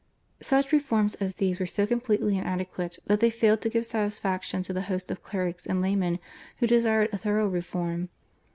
Such reforms as these were so completely inadequate that they failed to give satisfaction to the host of clerics and laymen who desired a thorough reform.